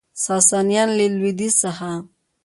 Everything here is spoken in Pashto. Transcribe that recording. ساسانیان له لویدیځ څخه